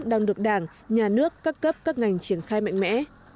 đang được đảng nhà nước các cấp các ngành triển khai mạnh mẽ